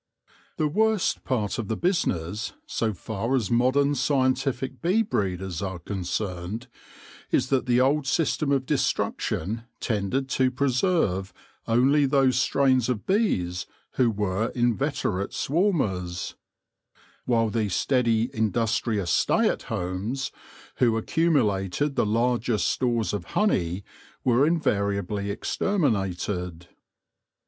The worst part of the business, so far as modern scientific bee breeders are concerned, is that the old system of destruction tended to preserve only those strains of bees who were inveterate swarmers ; while the steady, industrious stay at homes, who accumulated the largest stores of honey, were invariably exterminated.